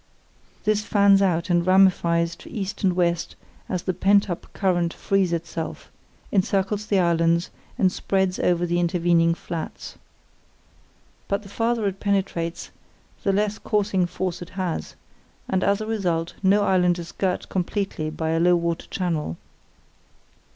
This fans out and ramifies to east and west as the pent up current frees itself, encircles the islands, and spreads over the intervening flats. But the farther it penetrates the less coursing force it has, and as a result no island is girt completely by a low water channel.